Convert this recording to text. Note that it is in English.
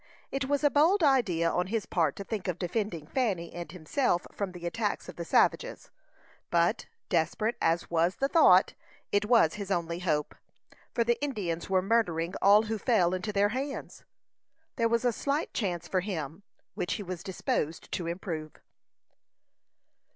It was a bold idea on his part to think of defending Fanny and himself from the attacks of the savages; but, desperate as was the thought, it was his only hope, for the Indians were murdering all who fell into their hands. There was a slight chance for him, which he was disposed to improve.